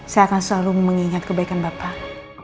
saya akan selalu mengingat kebaikan bapak